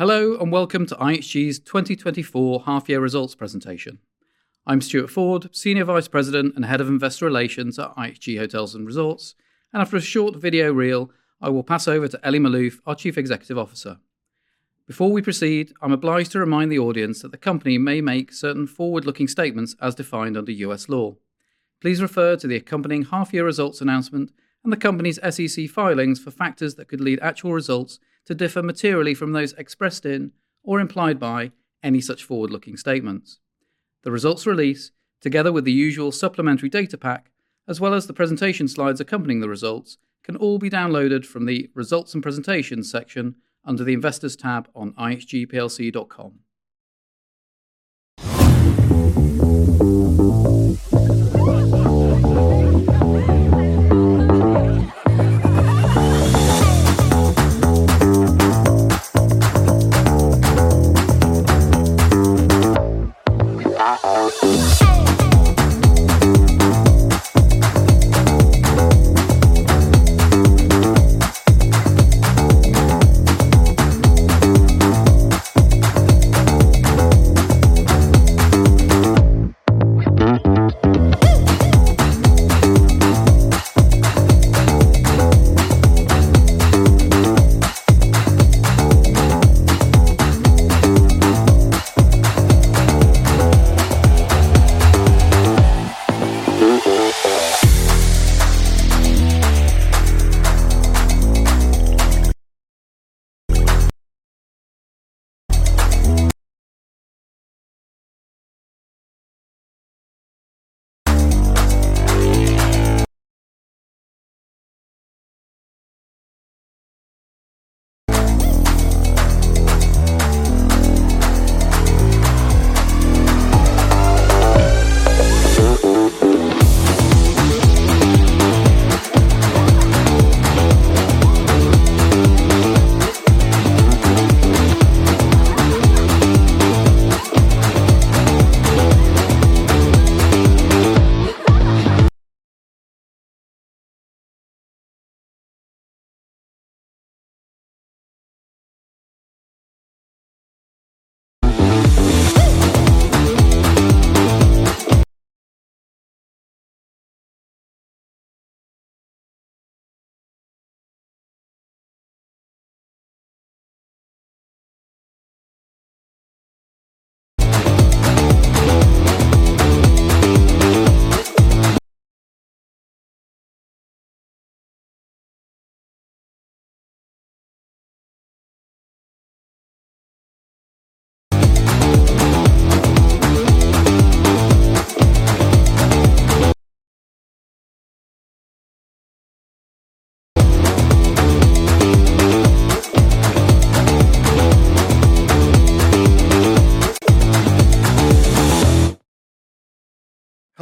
Hello, and welcome to IHG's 2024 half-year results presentation. I'm Stuart Ford, Senior Vice President and Head of Investor Relations at IHG Hotels & Resorts, and after a short video reel, I will pass over to Elie Maalouf, our Chief Executive Officer. Before we proceed, I'm obliged to remind the audience that the company may make certain forward-looking statements as defined under U.S. law. Please refer to the accompanying half-year results announcement and the company's SEC filings for factors that could lead actual results to differ materially from those expressed in or implied by any such forward-looking statements. The results release, together with the usual supplementary data pack, as well as the presentation slides accompanying the results, can all be downloaded from the Results & Presentations section under the Investors tab on ihgplc.com.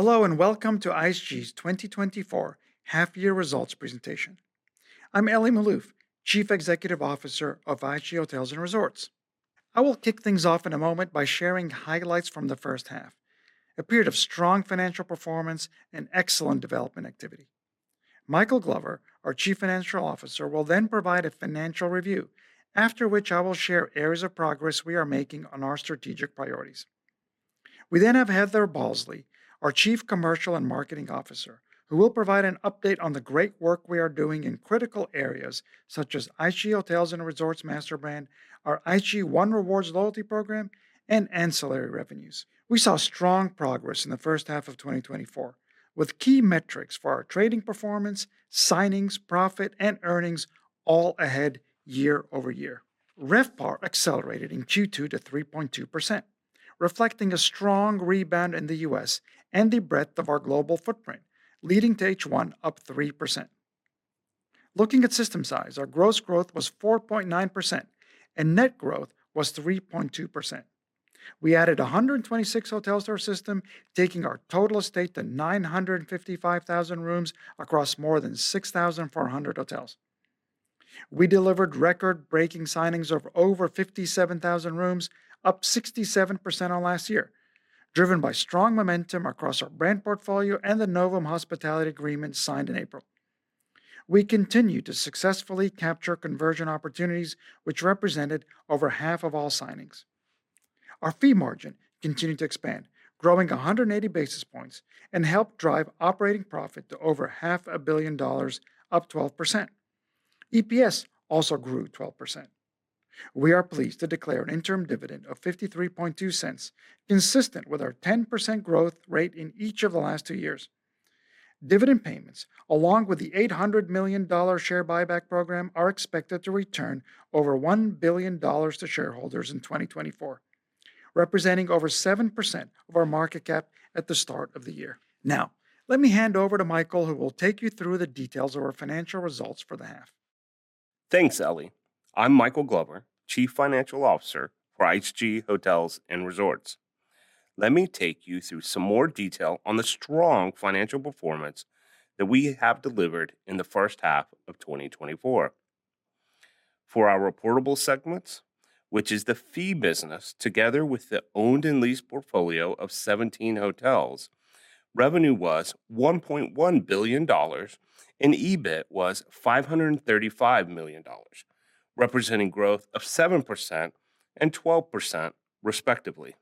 Hello, and welcome to IHG's 2024 half-year results presentation. I'm Elie Maalouf, Chief Executive Officer of IHG Hotels & Resorts. I will kick things off in a moment by sharing highlights from the first half, a period of strong financial performance and excellent development activity. Michael Glover, our Chief Financial Officer, will then provide a financial review, after which I will share areas of progress we are making on our strategic priorities. We then have Heather Balsley, our Chief Commercial and Marketing Officer, who will provide an update on the great work we are doing in critical areas, such as IHG Hotels & Resorts master brand, our IHG One Rewards Loyalty program, and ancillary revenues. We saw strong progress in the first half of 2024, with key metrics for our trading performance, signings, profit, and earnings all ahead year-over-year. RevPAR accelerated in Q2 to 3.2%, reflecting a strong rebound in the U.S. and the breadth of our global footprint, leading to H1 up 3%. Looking at system size, our gross growth was 4.9%, and net growth was 3.2%. We added 126 hotels to our system, taking our total estate to 955,000 rooms across more than 6,400 hotels. We delivered record-breaking signings of over 57,000 rooms, up 67% on last year, driven by strong momentum across our brand portfolio and the Novum Hospitality agreement signed in April. We continue to successfully capture conversion opportunities, which represented over half of all signings. Our fee margin continued to expand, growing 180 basis points, and helped drive operating profit to over $500 million, up 12%. EPS also grew 12%. We are pleased to declare an interim dividend of $0.532, consistent with our 10% growth rate in each of the last two years. Dividend payments, along with the $800 million share buyback program, are expected to return over $1 billion to shareholders in 2024, representing over 7% of our market cap at the start of the year. Now, let me hand over to Michael, who will take you through the details of our financial results for the half. Thanks, Elie. I'm Michael Glover, Chief Financial Officer for IHG Hotels & Resorts. Let me take you through some more detail on the strong financial performance that we have delivered in the first half of 2024. For our reportable segments, which is the fee business, together with the owned and leased portfolio of 17 hotels, revenue was $1.1 billion, and EBIT was $535 million, representing growth of 7% and 12%, respectively.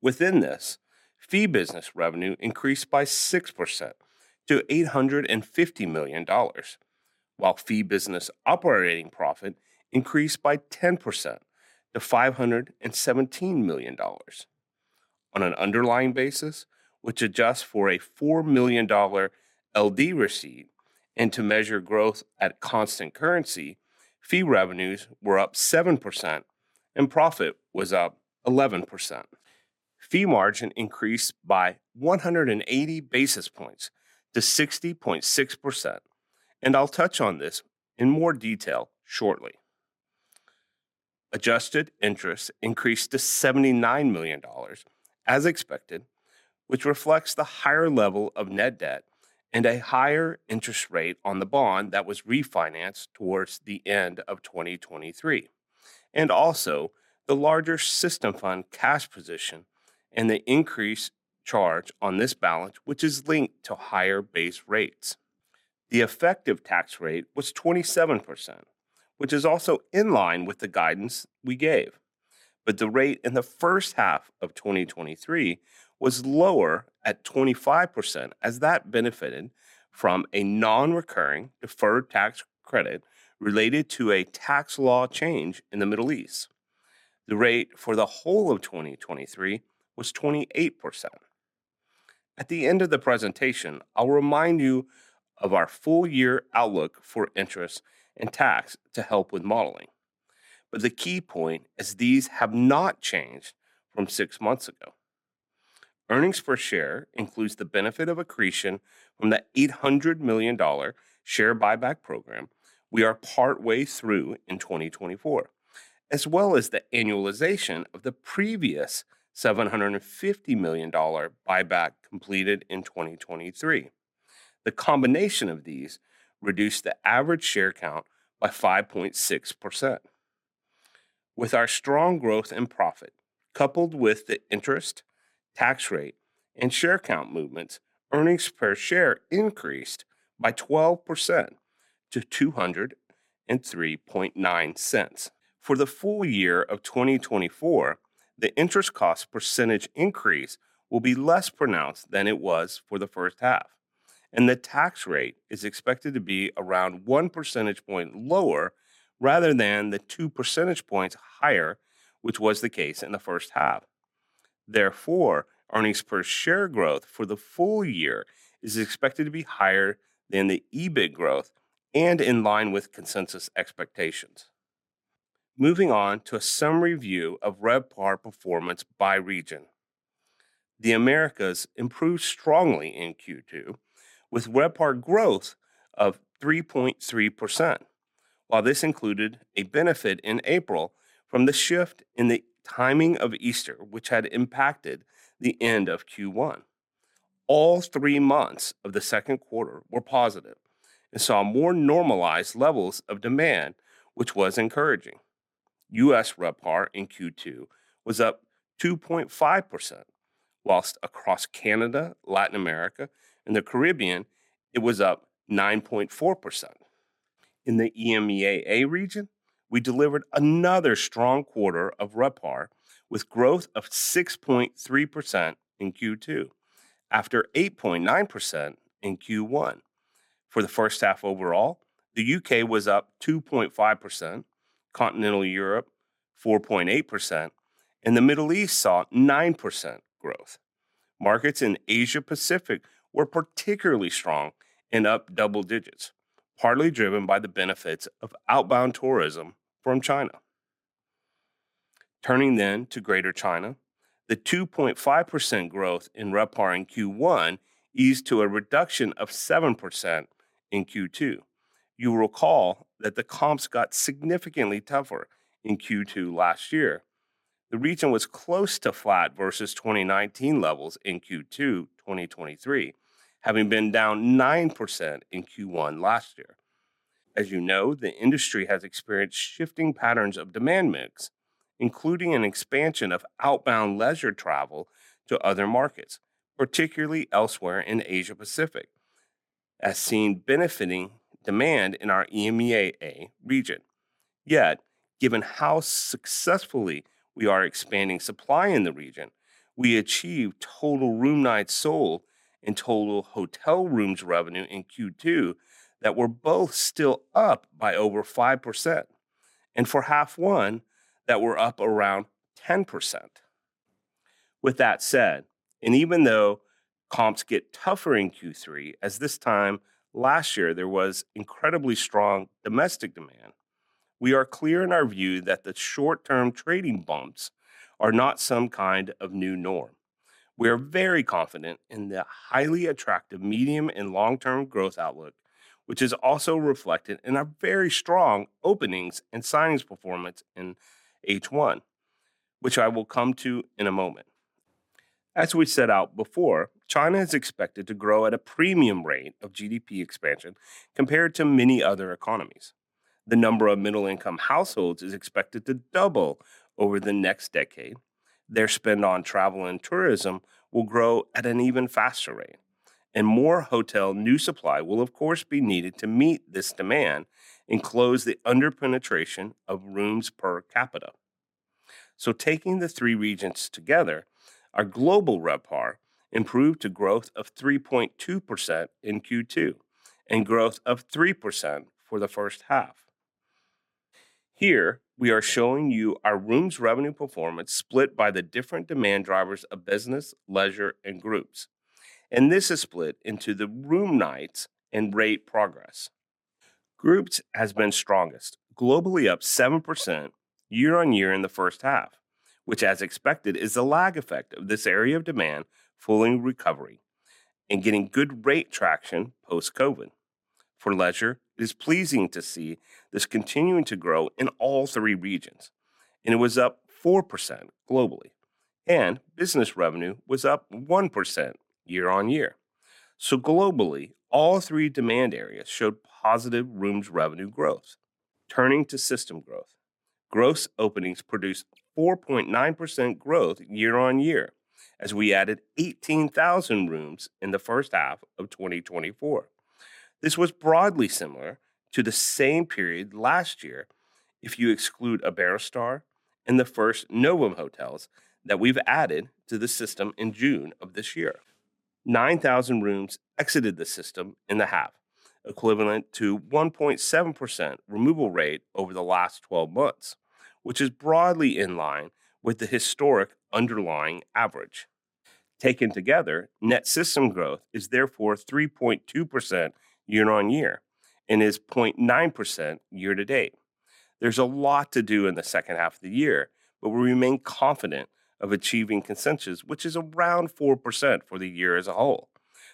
Within this, fee business revenue increased by 6% to $850 million, while fee business operating profit increased by 10% to $517 million. On an underlying basis, which adjusts for a $4 million LD receipt and to measure growth at constant currency, fee revenues were up 7% and profit was up 11%. Fee margin increased by 180 basis points to 60.6%, and I'll touch on this in more detail shortly. Adjusted interest increased to $79 million as expected, which reflects the higher level of net debt and a higher interest rate on the bond that was refinanced towards the end of 2023, and also the larger System Fund cash position and the increased charge on this balance, which is linked to higher base rates. The effective tax rate was 27%, which is also in line with the guidance we gave. But the rate in the first half of 2023 was lower at 25%, as that benefited from a non-recurring deferred tax credit related to a tax law change in the Middle East. The rate for the whole of 2023 was 28%. At the end of the presentation, I'll remind you of our full-year outlook for interest and tax to help with modeling. But the key point is these have not changed from six months ago. Earnings per share includes the benefit of accretion from the $800 million share buyback program we are partway through in 2024, as well as the annualization of the previous $750 million buyback completed in 2023. The combination of these reduced the average share count by 5.6%. With our strong growth and profit, coupled with the interest, tax rate, and share count movements, earnings per share increased by 12% to $2.039. For the full year of 2024, the interest cost percentage increase will be less pronounced than it was for the first half, and the tax rate is expected to be around 1 percentage point lower, rather than the 2 percentage points higher, which was the case in the first half. Therefore, earnings per share growth for the full year is expected to be higher than the EBIT growth and in line with consensus expectations. Moving on to a summary view of RevPAR performance by region. The Americas improved strongly in Q2, with RevPAR growth of 3.3%. While this included a benefit in April from the shift in the timing of Easter, which had impacted the end of Q1, all 3 months of the second quarter were positive and saw more normalized levels of demand, which was encouraging. US RevPAR in Q2 was up 2.5%, while across Canada, Latin America, and the Caribbean, it was up 9.4%. In the EMEAA region, we delivered another strong quarter of RevPAR with growth of 6.3% in Q2, after 8.9% in Q1. For the first half overall, the UK was up 2.5%, Continental Europe, 4.8%, and the Middle East saw 9% growth. Markets in Asia Pacific were particularly strong and up double digits, partly driven by the benefits of outbound tourism from China. Turning then to Greater China, the 2.5% growth in RevPAR in Q1 eased to a reduction of 7% in Q2. You will recall that the comps got significantly tougher in Q2 last year. The region was close to flat versus 2019 levels in Q2 2023, having been down 9% in Q1 last year. As you know, the industry has experienced shifting patterns of demand mix, including an expansion of outbound leisure travel to other markets, particularly elsewhere in Asia Pacific, as seen benefiting demand in our EMEAA region. Yet, given how successfully we are expanding supply in the region, we achieved total room nights sold and total hotel rooms revenue in Q2 that were both still up by over 5%, and for half one, that were up around 10%. With that said, and even though comps get tougher in Q3, as this time last year there was incredibly strong domestic demand, we are clear in our view that the short-term trading bumps are not some kind of new norm. We are very confident in the highly attractive medium- and long-term growth outlook, which is also reflected in our very strong openings and signings performance in H1, which I will come to in a moment. As we set out before, China is expected to grow at a premium rate of GDP expansion compared to many other economies. The number of middle-income households is expected to double over the next decade. Their spend on travel and tourism will grow at an even faster rate and more hotel new supply will, of course, be needed to meet this demand and close the under-penetration of rooms per capita. So taking the three regions together, our global RevPAR improved to growth of 3.2% in Q2, and growth of 3% for the first half. Here, we are showing you our rooms' revenue performance split by the different demand drivers of business, leisure, and groups, and this is split into the room nights and rate progress. Groups has been strongest, globally up 7% year-on-year in the first half, which, as expected, is a lag effect of this area of demand fully in recovery and getting good rate traction post-COVID. For leisure, it is pleasing to see this continuing to grow in all three regions, and it was up 4% globally, and business revenue was up 1% year-on-year. So globally, all three demand areas showed positive rooms revenue growth. Turning to system growth, gross openings produced 4.9% growth year-on-year, as we added 18,000 rooms in the first half of 2024. This was broadly similar to the same period last year if you exclude Iberostar and the first Novum hotels that we've added to the system in June of this year. 9,000 rooms exited the system in the half, equivalent to 1.7% removal rate over the last 12 months, which is broadly in line with the historic underlying average. Taken together, net system growth is therefore 3.2% year-over-year and is 0.9% year-to-date. There's a lot to do in the second half of the year, but we remain confident of achieving consensus, which is around 4% for the year as a whole.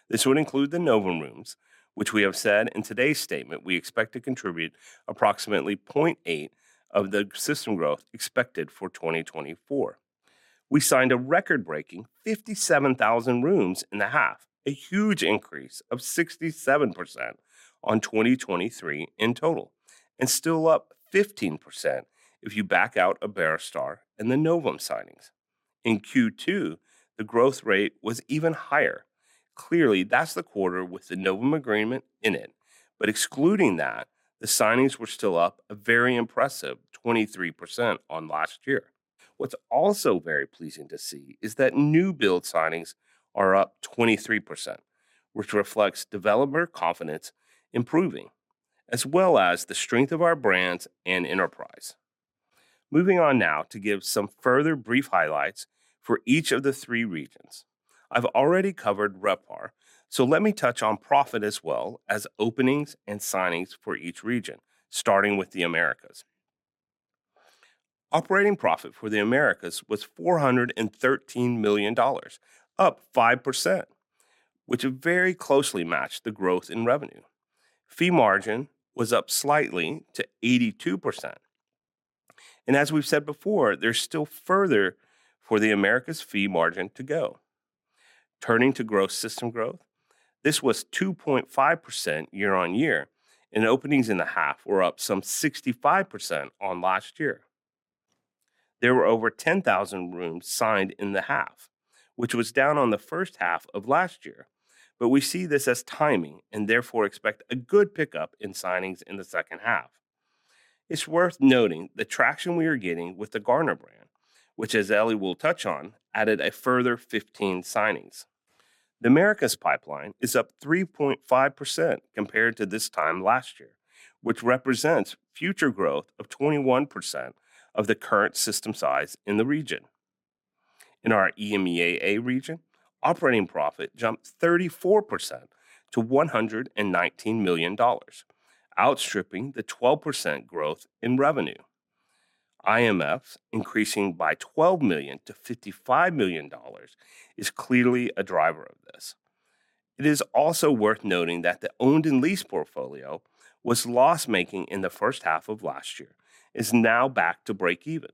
This would include the Novum rooms, which we have said in today's statement we expect to contribute approximately 0.8 of the system growth expected for 2024. We signed a record-breaking 57,000 rooms in the half, a huge increase of 67% on 2023 in total, and still up 15% if you back out Iberostar and the Novum signings. In Q2, the growth rate was even higher. Clearly, that's the quarter with the Novum agreement in it, but excluding that, the signings were still up a very impressive 23% on last year. What's also very pleasing to see is that new build signings are up 23%, which reflects developer confidence improving, as well as the strength of our brands and enterprise. Moving on now to give some further brief highlights for each of the three regions. I've already covered RevPAR, so let me touch on profit as well as openings and signings for each region, starting with the Americas. Operating profit for the Americas was $413 million, up 5%, which very closely matched the growth in revenue. Fee margin was up slightly to 82%, and as we've said before, there's still further for the Americas fee margin to go. Turning to growth, system growth, this was 2.5% year-on-year, and openings in the half were up some 65% on last year. There were over 10,000 rooms signed in the half, which was down on the first half of last year, but we see this as timing, and therefore, expect a good pickup in signings in the second half. It's worth noting the traction we are getting with the Garner brand, which, as Elie will touch on, added a further 15 signings. The Americas pipeline is up 3.5% compared to this time last year, which represents future growth of 21% of the current system size in the region. In our EMEAA region, operating profit jumped 34% to $119 million, outstripping the 12% growth in revenue. IMFs, increasing by $12 million to $55 million, is clearly a driver of this. It is also worth noting that the owned and leased portfolio was loss-making in the first half of last year, is now back to break even.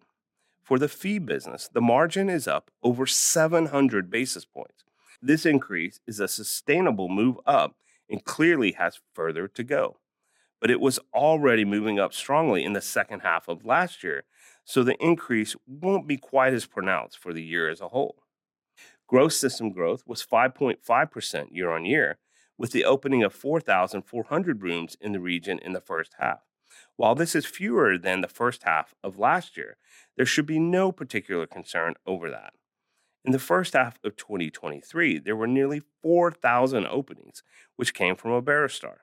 For the fee business, the margin is up over 700 basis points. This increase is a sustainable move up and clearly has further to go, but it was already moving up strongly in the second half of last year, so the increase won't be quite as pronounced for the year as a whole. Gross system growth was 5.5% year-on-year, with the opening of 4,400 rooms in the region in the first half. While this is fewer than the first half of last year, there should be no particular concern over that. In the first half of 2023, there were nearly 4,000 openings, which came from Iberostar,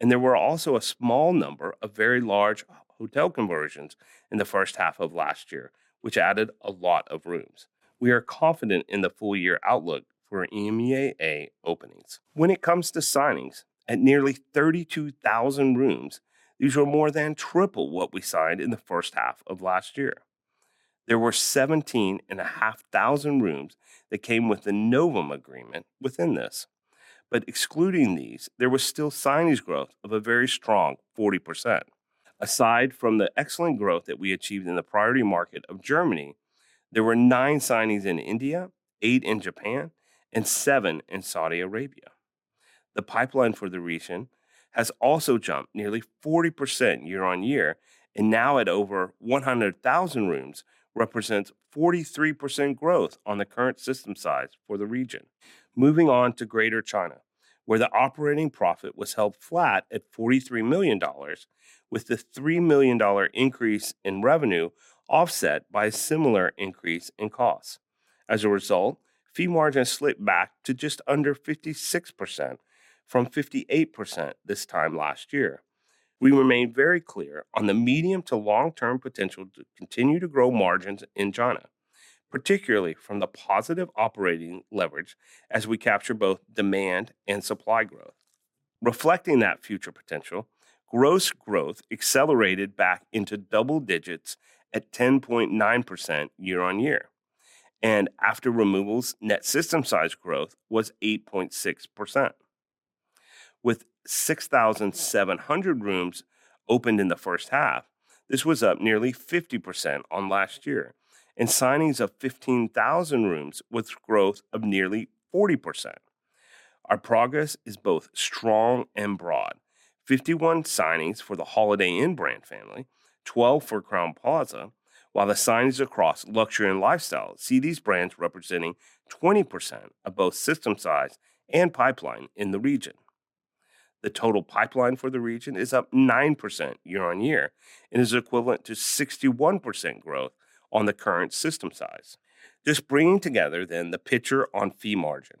and there were also a small number of very large hotel conversions in the first half of last year, which added a lot of rooms. We are confident in the full year outlook for EMEAA openings. When it comes to signings, at nearly 32,000 rooms, these were more than triple what we signed in the first half of last year. There were 17,500 rooms that came with the Novum agreement within this, but excluding these, there was still signing growth of a very strong 40%. Aside from the excellent growth that we achieved in the priority market of Germany, there were nine signings in India, eight in Japan, and seven in Saudi Arabia. The pipeline for the region has also jumped nearly 40% year-on-year, and now at over 100,000 rooms, represents 43% growth on the current system size for the region. Moving on to Greater China, where the operating profit was held flat at $43 million, with the $3 million increase in revenue offset by a similar increase in costs. As a result, fee margins slipped back to just under 56% from 58% this time last year. We remain very clear on the medium to long-term potential to continue to grow margins in China, particularly from the positive operating leverage as we capture both demand and supply growth. Reflecting that future potential, gross growth accelerated back into double digits at 10.9% year-on-year, and after removals, net system size growth was 8.6%. With 6,700 rooms opened in the first half, this was up nearly 50% on last year, and signings of 15,000 rooms with growth of nearly 40%. Our progress is both strong and broad. 51 signings for the Holiday Inn brand family, 12 for Crowne Plaza, while the signings across Luxury and Lifestyle see these brands representing 20% of both system size and pipeline in the region. The total pipeline for the region is up 9% year-on-year and is equivalent to 61% growth on the current system size. Just bringing together then the picture on fee margin.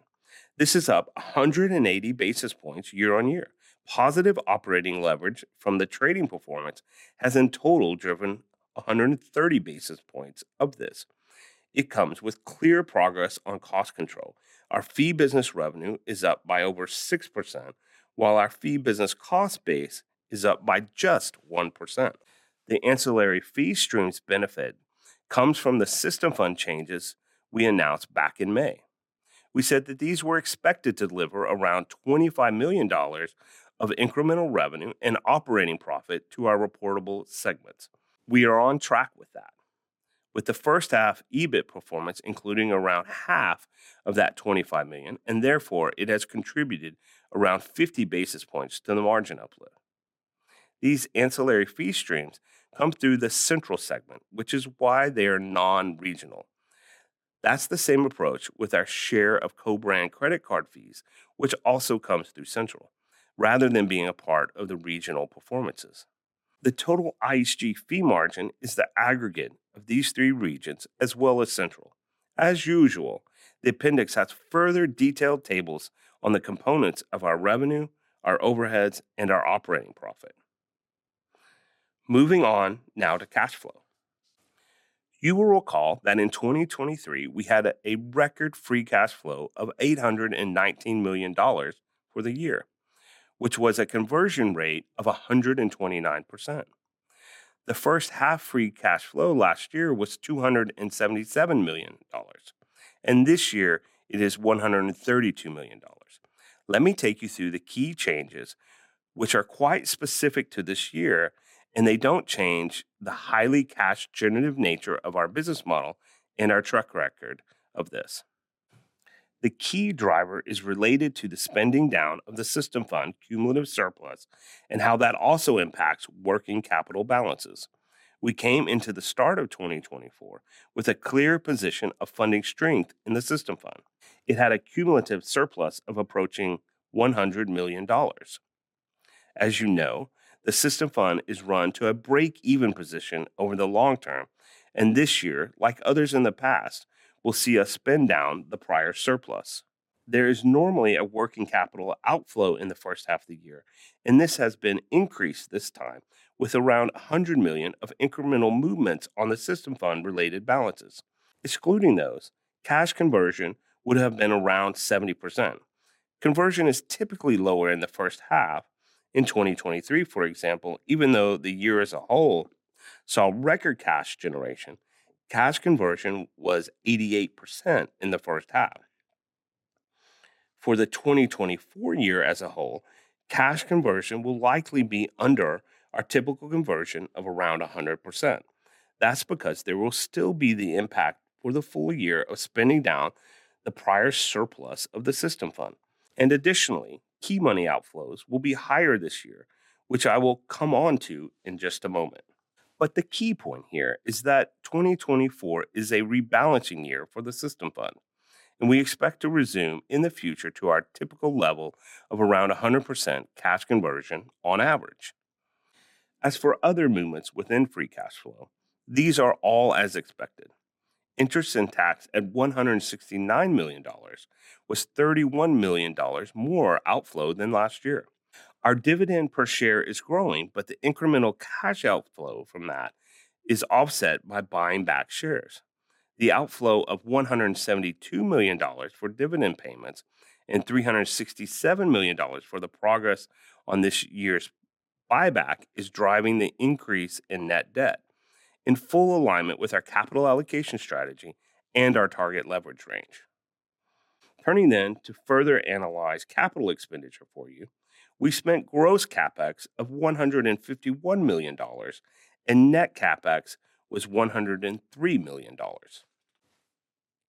This is up 180 basis points year-on-year. Positive operating leverage from the trading performance has in total driven 130 basis points of this. It comes with clear progress on cost control. Our fee business revenue is up by over 6%, while our fee business cost base is up by just 1%. The ancillary fee streams benefit comes from the System Fund changes we announced back in May. We said that these were expected to deliver around $25 million of incremental revenue and operating profit to our reportable segments. We are on track with that, with the first half EBIT performance, including around half of that $25 million, and therefore, it has contributed around 50 basis points to the margin uplift. These ancillary fee streams come through the Central segment, which is why they are non-regional. That's the same approach with our share of co-brand credit card fees, which also comes through Central, rather than being a part of the regional performances. The total IHG fee margin is the aggregate of these three regions as well as Central. As usual, the appendix has further detailed tables on the components of our revenue, our overheads, and our operating profit. Moving on now to cash flow. You will recall that in 2023, we had a record free cash flow of $819 million for the year, which was a conversion rate of 129%. The first half free cash flow last year was $277 million, and this year it is $132 million. Let me take you through the key changes, which are quite specific to this year, and they don't change the highly cash generative nature of our business model and our track record of this. The key driver is related to the spending down of the System Fund cumulative surplus and how that also impacts working capital balances. We came into the start of 2024 with a clear position of funding strength in the System Fund. It had a cumulative surplus of approaching $100 million. As you know, the System Fund is run to a break-even position over the long term, and this year, like others in the past, will see us spend down the prior surplus. There is normally a working capital outflow in the first half of the year, and this has been increased this time with around $100 million of incremental movements on the System Fund-related balances. Excluding those, cash conversion would have been around 70%. Conversion is typically lower in the first half. In 2023, for example, even though the year as a whole saw record cash generation, cash conversion was 88% in the first half. For the 2024 year as a whole, cash conversion will likely be under our typical conversion of around 100%. That's because there will still be the impact for the full year of spending down the prior surplus of the System Fund. And additionally, key money outflows will be higher this year, which I will come on to in just a moment. The key point here is that 2024 is a rebalancing year for the System Fund, and we expect to resume in the future to our typical level of around 100% cash conversion on average. As for other movements within free cash flow, these are all as expected. Interest and tax at $169 million was $31 million more outflow than last year. Our dividend per share is growing, but the incremental cash outflow from that is offset by buying back shares. The outflow of $172 million for dividend payments and $367 million for the progress on this year's buyback is driving the increase in net debt, in full alignment with our capital allocation strategy and our target leverage range. Turning then to further analyze capital expenditure for you, we spent gross CapEx of $151 million, and net CapEx was $103 million.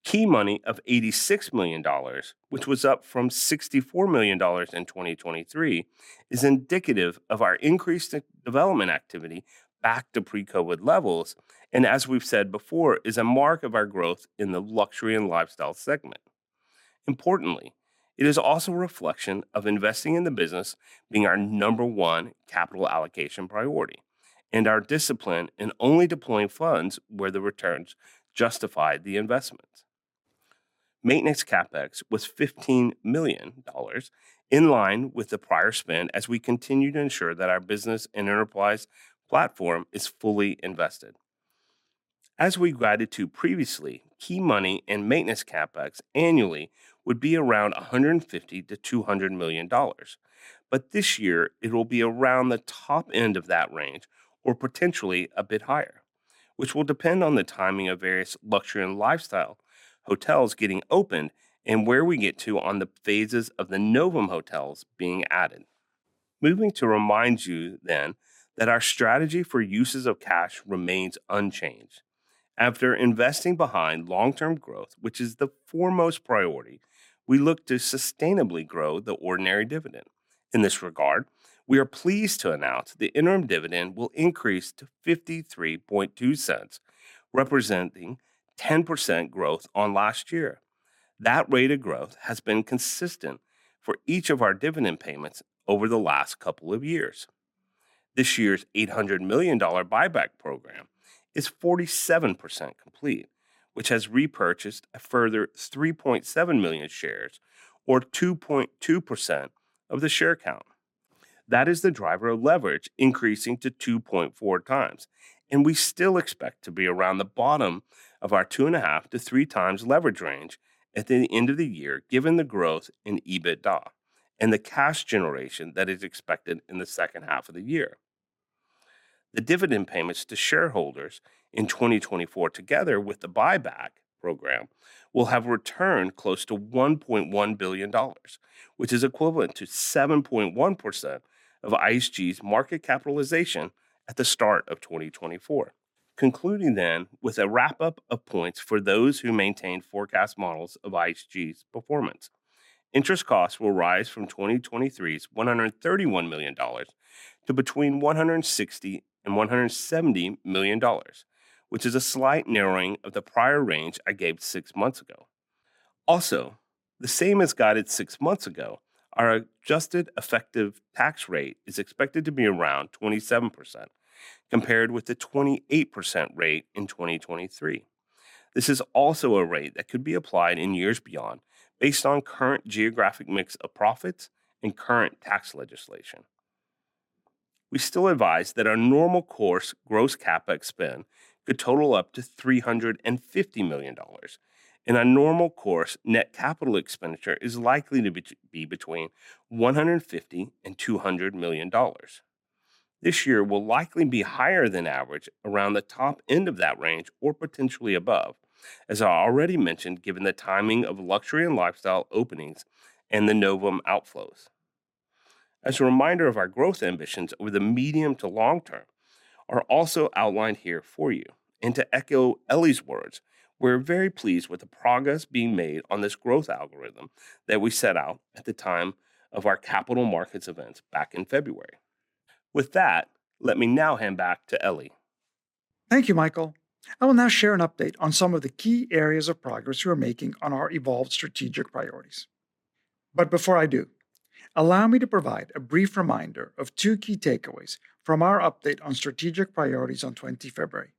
Key money of $86 million, which was up from $64 million in 2023, is indicative of our increased development activity back to pre-COVID levels, and as we've said before, is a mark of our growth in the Luxury and Lifestyle segment. Importantly, it is also a reflection of investing in the business being our number one capital allocation priority, and our discipline in only deploying funds where the returns justify the investment. Maintenance CapEx was $15 million, in line with the prior spend, as we continue to ensure that our business and enterprise platform is fully invested. As we guided to previously, key money and maintenance CapEx annually would be around $150 million-$200 million, but this year it will be around the top end of that range or potentially a bit higher, which will depend on the timing of various Luxury and Lifestyle hotels getting opened and where we get to on the phases of the Novum hotels being added. Moving to remind you then, that our strategy for uses of cash remains unchanged. After investing behind long-term growth, which is the foremost priority, we look to sustainably grow the ordinary dividend. In this regard, we are pleased to announce the interim dividend will increase to $0.532, representing 10% growth on last year. That rate of growth has been consistent for each of our dividend payments over the last couple of years. This year's $800 million buyback program is 47% complete, which has repurchased a further 3.7 million shares, or 2.2% of the share count. That is the driver of leverage increasing to 2.4 times, and we still expect to be around the bottom of our 2.5-3 times leverage range at the end of the year, given the growth in EBITDA and the cash generation that is expected in the second half of the year. The dividend payments to shareholders in 2024, together with the buyback program, will have returned close to $1.1 billion, which is equivalent to 7.1% of IHG's market capitalization at the start of 2024. Concluding then, with a wrap-up of points for those who maintain forecast models of IHG's performance. Interest costs will rise from 2023's $131 million to between $160 million and $170 million, which is a slight narrowing of the prior range I gave six months ago. Also, the same as guided six months ago, our adjusted effective tax rate is expected to be around 27%, compared with the 28% rate in 2023. This is also a rate that could be applied in years beyond, based on current geographic mix of profits and current tax legislation. We still advise that our normal course gross CapEx spend could total up to $350 million, and our normal course net capital expenditure is likely to be between $150 million and $200 million. This year will likely be higher than average around the top end of that range, or potentially above, as I already mentioned, given the timing of Luxury and Lifestyle openings and the Novum outflows. As a reminder of our growth ambitions over the medium to long term are also outlined here for you. And to echo Ellie's words, we're very pleased with the progress being made on this growth algorithm that we set out at the time of our capital markets event back in February. With that, let me now hand back to Ellie. Thank you, Michael. I will now share an update on some of the key areas of progress we are making on our evolved strategic priorities. But before I do, allow me to provide a brief reminder of two key takeaways from our update on strategic priorities on 20 February.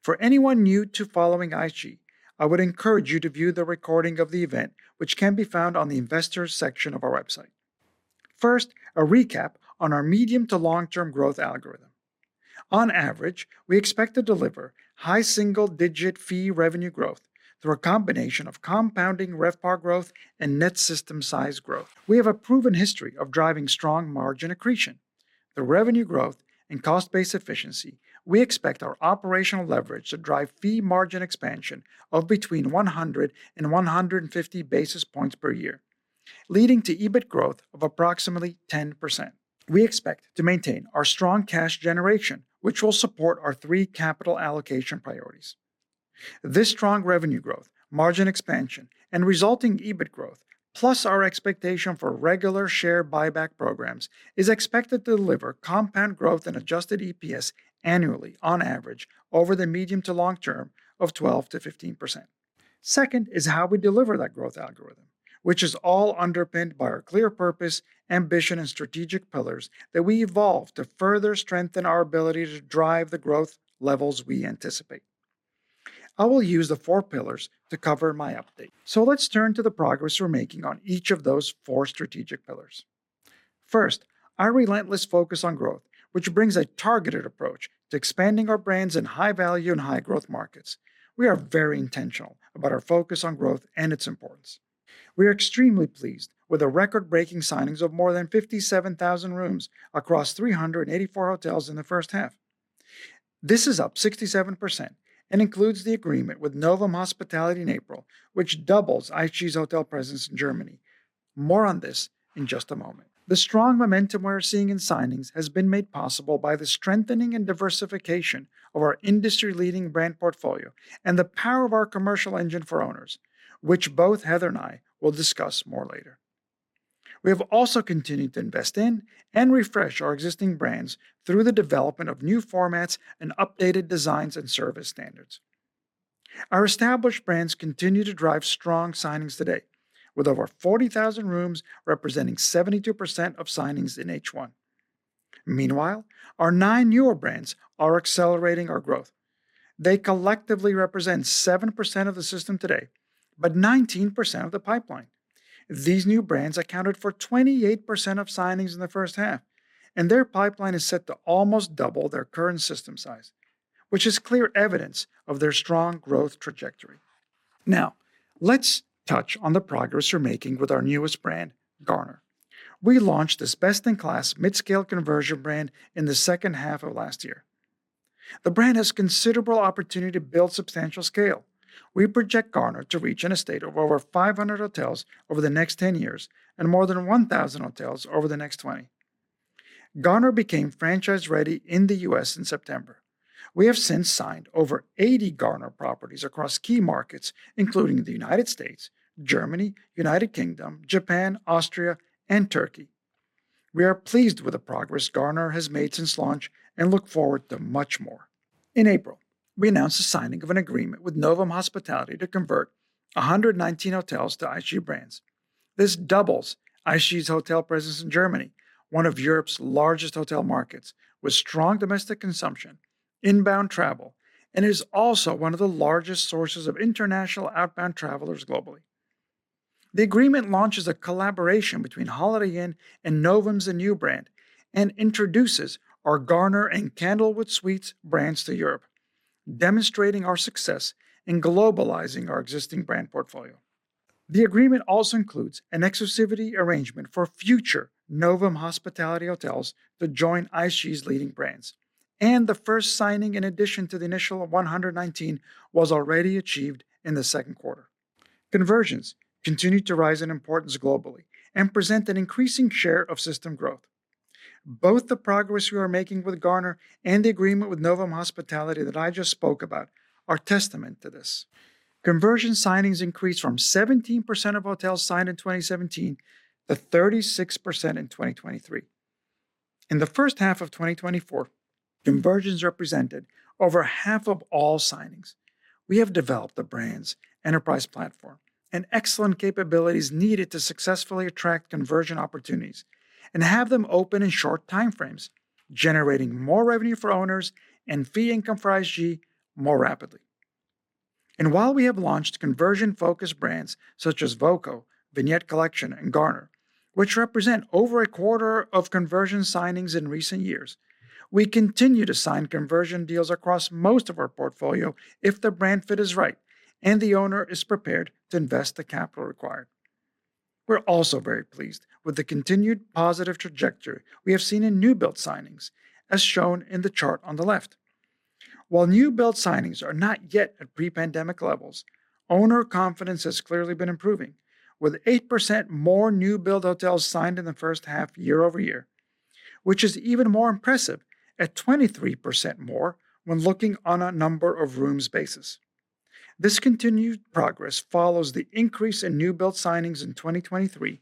For anyone new to following IHG, I would encourage you to view the recording of the event, which can be found on the Investors section of our website. First, a recap on our medium to long-term growth algorithm. On average, we expect to deliver high single-digit fee revenue growth through a combination of compounding RevPAR growth and net system size growth. We have a proven history of driving strong margin accretion. The revenue growth and cost base efficiency, we expect our operational leverage to drive fee margin expansion of between 100 and 150 basis points per year, leading to EBIT growth of approximately 10%. We expect to maintain our strong cash generation, which will support our three capital allocation priorities. This strong revenue growth, margin expansion, and resulting EBIT growth, plus our expectation for regular share buyback programs, is expected to deliver compound growth and adjusted EPS annually on average over the medium to long term of 12%-15%. Second, is how we deliver that growth algorithm, which is all underpinned by our clear purpose, ambition, and strategic pillars that we evolve to further strengthen our ability to drive the growth levels we anticipate. I will use the four pillars to cover my update. So let's turn to the progress we're making on each of those four strategic pillars. First, our Relentless Focus on Growth, which brings a targeted approach to expanding our brands in high-value and high-growth markets. We are very intentional about our focus on growth and its importance. We are extremely pleased with the record-breaking signings of more than 57,000 rooms across 384 hotels in the first half. This is up 67% and includes the agreement with Novum Hospitality in April, which doubles IHG's hotel presence in Germany. More on this in just a moment. The strong momentum we're seeing in signings has been made possible by the strengthening and diversification of our industry-leading brand portfolio and the power of our commercial engine for owners, which both Heather and I will discuss more later. We have also continued to invest in and refresh our existing brands through the development of new formats and updated designs and service standards. Our established brands continue to drive strong signings today, with over 40,000 rooms representing 72% of signings in H1. Meanwhile, our 9 newer brands are accelerating our growth. They collectively represent 7% of the system today, but 19% of the pipeline. These new brands accounted for 28% of signings in the first half, and their pipeline is set to almost double their current system size, which is clear evidence of their strong growth trajectory. Now, let's touch on the progress we're making with our newest brand, Garner. We launched this best-in-class, midscale conversion brand in the second half of last year. The brand has considerable opportunity to build substantial scale. We project Garner to reach an estate of over 500 hotels over the next 10 years and more than 1,000 hotels over the next 20. Garner became franchise-ready in the U.S. in September. We have since signed over 80 Garner properties across key markets, including the United States, Germany, United Kingdom, Japan, Austria, and Turkey. We are pleased with the progress Garner has made since launch and look forward to much more. In April, we announced the signing of an agreement with Novum Hospitality to convert 119 hotels to IHG brands. This doubles IHG's hotel presence in Germany, one of Europe's largest hotel markets, with strong domestic consumption, inbound travel, and is also one of the largest sources of international outbound travelers globally. The agreement launches a collaboration between Holiday Inn and Novum's Garner, a new brand, and introduces our Garner and Candlewood Suites brands to Europe, demonstrating our success in globalizing our existing brand portfolio. The agreement also includes an exclusivity arrangement for future Novum Hospitality hotels to join IHG's leading brands, and the first signing, in addition to the initial 119, was already achieved in the second quarter. Conversions continue to rise in importance globally and present an increasing share of system growth. Both the progress we are making with Garner and the agreement with Novum Hospitality that I just spoke about are testament to this. Conversion signings increased from 17% of hotels signed in 2017 to 36% in 2023. In the first half of 2024, conversions represented over half of all signings. We have developed the brand's enterprise platform and excellent capabilities needed to successfully attract conversion opportunities and have them open in short timeframes, generating more revenue for owners and fee income for IHG more rapidly. While we have launched conversion-focused brands such as voco, Vignette Collection, and Garner, which represent over a quarter of conversion signings in recent years, we continue to sign conversion deals across most of our portfolio if the brand fit is right and the owner is prepared to invest the capital required. We're also very pleased with the continued positive trajectory we have seen in new-build signings, as shown in the chart on the left. While new-build signings are not yet at pre-pandemic levels, owner confidence has clearly been improving, with 8% more new-build hotels signed in the first half year-over-year, which is even more impressive at 23% more when looking on a number of rooms basis. This continued progress follows the increase in new-build signings in 2023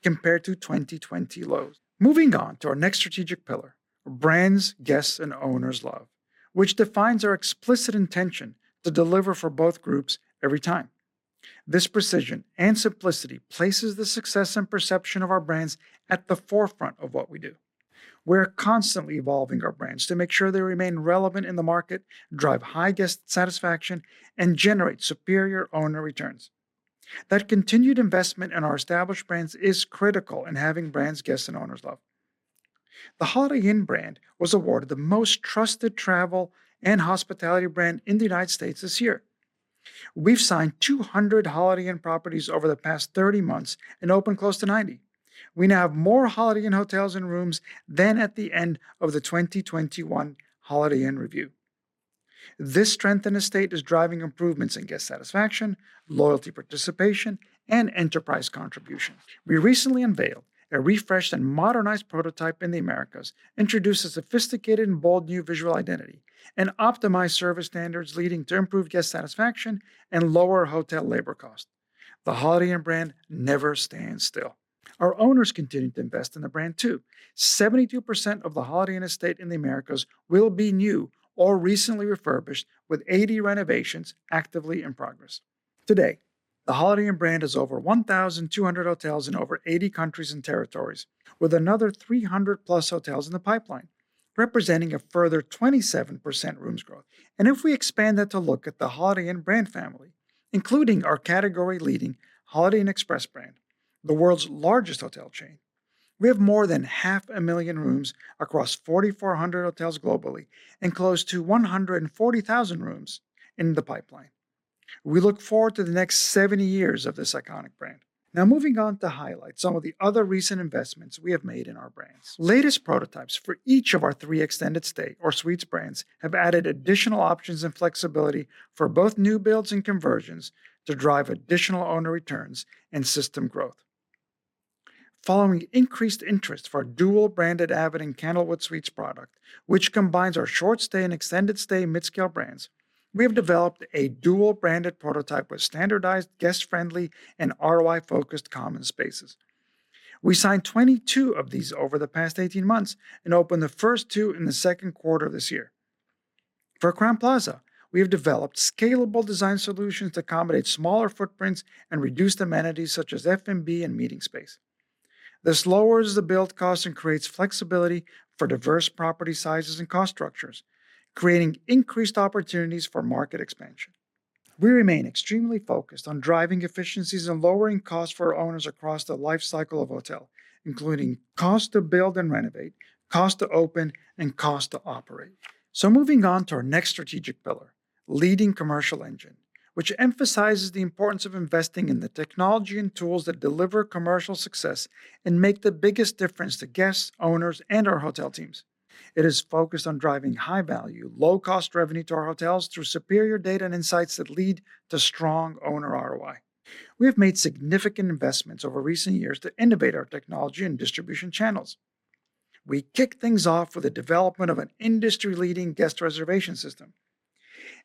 compared to 2020 lows. Moving on to our next strategic pillar, Brands Guests and Owners Love, which defines our explicit intention to deliver for both groups every time. This precision and simplicity places the success and perception of our brands at the forefront of what we do. We're constantly evolving our brands to make sure they remain relevant in the market, drive high guest satisfaction, and generate superior owner returns. That continued investment in our established brands is critical in having Brands Guests and Owners Love. The Holiday Inn brand was awarded the most trusted travel and hospitality brand in the United States this year. We've signed 200 Holiday Inn properties over the past 30 months and opened close to 90. We now have more Holiday Inn hotels and rooms than at the end of the 2021 Holiday Inn review. This strength in estate is driving improvements in guest satisfaction, loyalty participation, and enterprise contribution. We recently unveiled a refreshed and modernized prototype in the Americas, introduced a sophisticated and bold new visual identity, and optimized service standards leading to improved guest satisfaction and lower hotel labor cost. The Holiday Inn brand never stands still. Our owners continue to invest in the brand, too. 72% of the Holiday Inn estate in the Americas will be new or recently refurbished, with 80 renovations actively in progress. Today, the Holiday Inn brand is over 1,200 hotels in over 80 countries and territories, with another 300+ hotels in the pipeline, representing a further 27% rooms growth. If we expand that to look at the Holiday Inn brand family, including our category-leading Holiday Inn Express brand, the world's largest hotel chain, we have more than 500,000 rooms across 4,400 hotels globally and close to 140,000 rooms in the pipeline. We look forward to the next 70 years of this iconic brand. Now, moving on to highlight some of the other recent investments we have made in our brands. Latest prototypes for each of our three extended stay or Suites brands have added additional options and flexibility for both new builds and conversions to drive additional owner returns and system growth. Following increased interest for dual-branded avid and Candlewood Suites product, which combines our short stay and extended stay midscale brands, we have developed a dual-branded prototype with standardized, guest-friendly, and ROI-focused common spaces. We signed 22 of these over the past 18 months and opened the first 2 in the second quarter of this year. For Crowne Plaza, we have developed scalable design solutions to accommodate smaller footprints and reduced amenities, such as F&B and meeting space. This lowers the build cost and creates flexibility for diverse property sizes and cost structures, creating increased opportunities for market expansion. We remain extremely focused on driving efficiencies and lowering costs for our owners across the life cycle of hotel, including cost to build and renovate, cost to open, and cost to operate. Moving on to our next strategic pillar, Leading Commercial Engine, which emphasizes the importance of investing in the technology and tools that deliver commercial success and make the biggest difference to guests, owners, and our hotel teams. It is focused on driving high value, low-cost revenue to our hotels through superior data and insights that lead to strong owner ROI. We have made significant investments over recent years to innovate our technology and distribution channels. We kicked things off with the development of an industry-leading guest reservation system,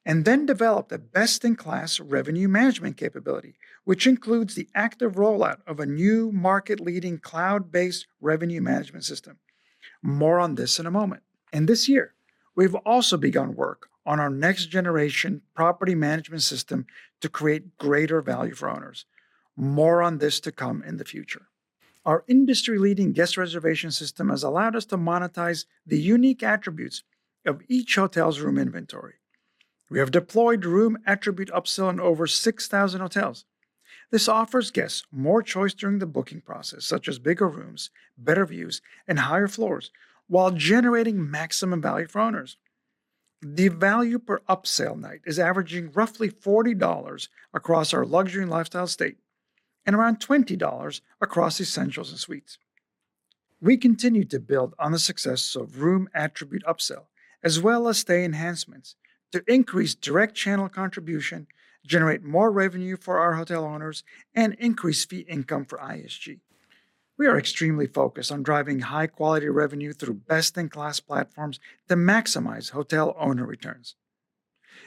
and then developed a best-in-class revenue management capability, which includes the active rollout of a new market-leading, cloud-based revenue management system. More on this in a moment. This year, we've also begun work on our next generation property management system to create greater value for owners. More on this to come in the future. Our industry-leading guest reservation system has allowed us to monetize the unique attributes of each hotel's room inventory. We have deployed room attribute upsell in over 6,000 hotels. This offers guests more choice during the booking process, such as bigger rooms, better views, and higher floors, while generating maximum value for owners. The value per upsell night is averaging roughly $40 across our Luxury and Lifestyle segment and around $20 across Essentials and Suites. We continue to build on the success of room attribute upsell, as well as stay enhancements, to increase direct channel contribution, generate more revenue for our hotel owners, and increase fee income for IHG. We are extremely focused on driving high-quality revenue through best-in-class platforms to maximize hotel owner returns.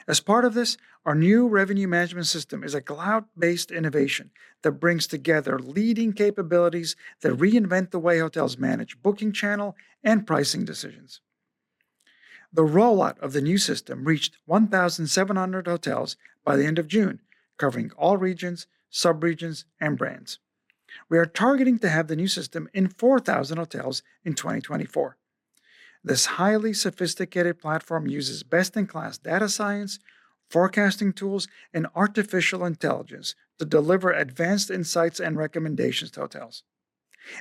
As part of this, our new revenue management system is a cloud-based innovation that brings together leading capabilities that reinvent the way hotels manage booking channel and pricing decisions. The rollout of the new system reached 1,700 hotels by the end of June, covering all regions, sub-regions, and brands. We are targeting to have the new system in 4,000 hotels in 2024. This highly sophisticated platform uses best-in-class data science, forecasting tools, and artificial intelligence to deliver advanced insights and recommendations to hotels.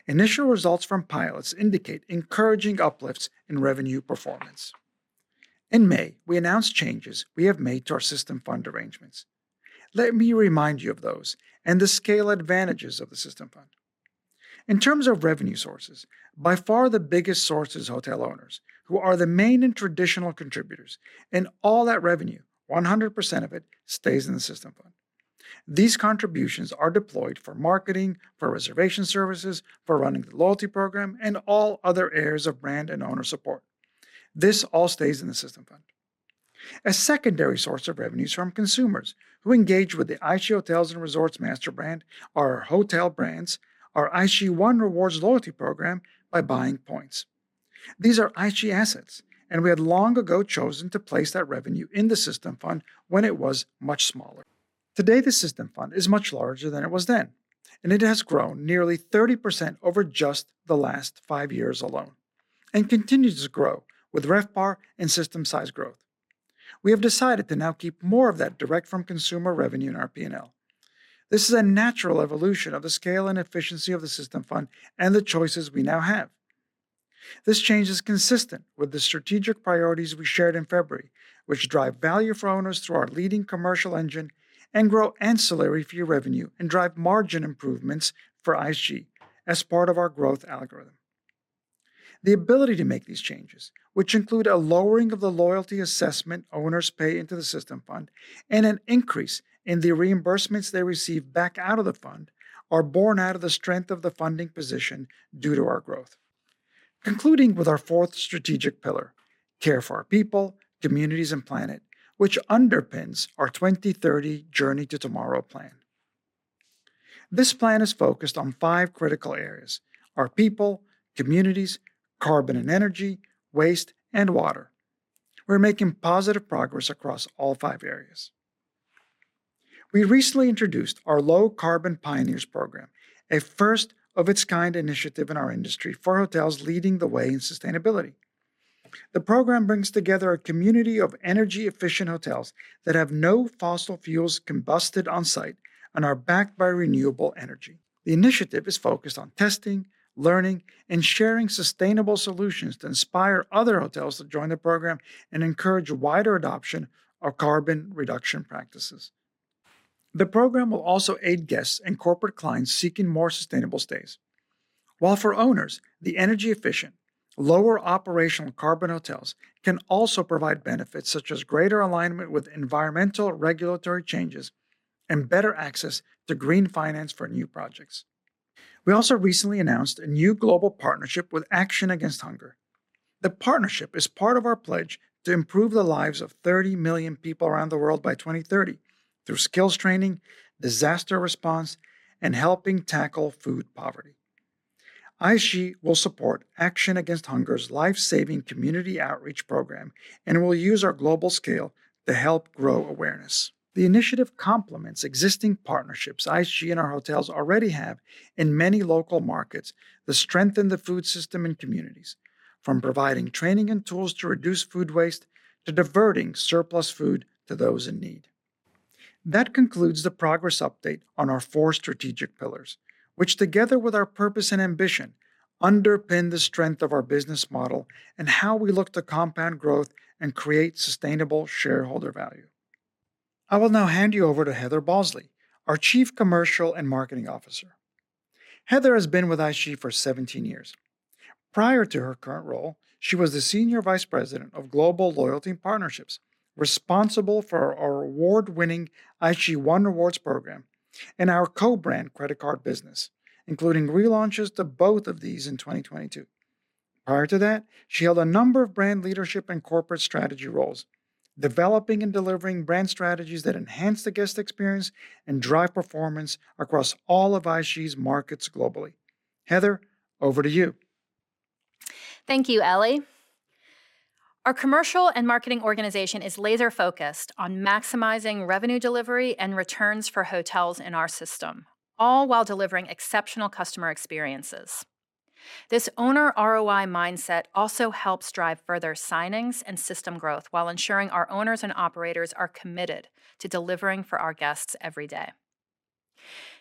Initial results from pilots indicate encouraging uplifts in revenue performance. In May, we announced changes we have made to our System Fund arrangements. Let me remind you of those and the scale advantages of the System Fund. In terms of revenue sources, by far the biggest source is hotel owners, who are the main and traditional contributors, and all that revenue, 100% of it, stays in the System Fund. These contributions are deployed for marketing, for reservation services, for running the loyalty program, and all other areas of brand and owner support. This all stays in the System Fund. A secondary source of revenue is from consumers who engage with the IHG Hotels & Resorts master brand, our hotel brands, our IHG One Rewards loyalty program by buying points. These are IHG assets, and we had long ago chosen to place that revenue in the System Fund when it was much smaller. Today, the System Fund is much larger than it was then, and it has grown nearly 30% over just the last five years alone and continues to grow with RevPAR and system size growth. We have decided to now keep more of that direct from consumer revenue in our P&L. This is a natural evolution of the scale and efficiency of the System Fund and the choices we now have. This change is consistent with the strategic priorities we shared in February, which drive value for owners through our Leading Commercial Engine and grow ancillary fee revenue and drive margin improvements for IHG as part of our growth algorithm. The ability to make these changes, which include a lowering of the loyalty assessment owners pay into the System Fund and an increase in the reimbursements they receive back out of the fund, are born out of the strength of the funding position due to our growth. Concluding with our fourth strategic pillar, Care for Our People, Communities and Planet, which underpins our 2030 Journey to Tomorrow plan. This plan is focused on five critical areas: our people, communities, carbon and energy, waste, and water. We're making positive progress across all five areas. We recently introduced our Low Carbon Pioneers program, a first-of-its-kind initiative in our industry for hotels leading the way in sustainability. The program brings together a community of energy-efficient hotels that have no fossil fuels combusted on site and are backed by renewable energy. The initiative is focused on testing, learning, and sharing sustainable solutions to inspire other hotels to join the program and encourage wider adoption of carbon reduction practices. The program will also aid guests and corporate clients seeking more sustainable stays. While for owners, the energy efficient lower operational carbon hotels can also provide benefits such as greater alignment with environmental regulatory changes and better access to green finance for new projects. We also recently announced a new global partnership with Action Against Hunger. The partnership is part of our pledge to improve the lives of 30 million people around the world by 2030, through skills training, disaster response, and helping tackle food poverty. IHG will support Action Against Hunger's life-saving community outreach program and will use our global scale to help grow awareness. The initiative complements existing partnerships IHG and our hotels already have in many local markets to strengthen the food system in communities, from providing training and tools to reduce food waste, to diverting surplus food to those in need. That concludes the progress update on our four strategic pillars, which together with our purpose and ambition, underpin the strength of our business model and how we look to compound growth and create sustainable shareholder value. I will now hand you over to Heather Balsley, our Chief Commercial and Marketing Officer. Heather has been with IHG for 17 years. Prior to her current role, she was the Senior Vice President of Global Loyalty and Partnerships, responsible for our award-winning IHG One Rewards program and our co-brand credit card business, including relaunches to both of these in 2022. Prior to that, she held a number of brand leadership and corporate strategy roles, developing and delivering brand strategies that enhance the guest experience and drive performance across all of IHG's markets globally. Heather, over to you. Thank you, Elie. Our commercial and marketing organization is laser-focused on maximizing revenue delivery and returns for hotels in our system, all while delivering exceptional customer experiences. This owner ROI mindset also helps drive further signings and system growth while ensuring our owners and operators are committed to delivering for our guests every day.